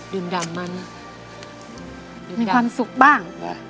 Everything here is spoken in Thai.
ดื่มดำมัน